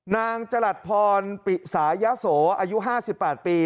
จรัดพรปิสายโสอายุ๕๘ปี